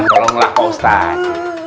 tolonglah pak ustadz